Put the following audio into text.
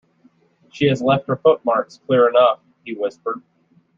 "She has left her footmarks clear enough," he whispered.